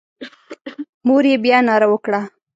مور یې بیا ناره وکړه.